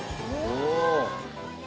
お！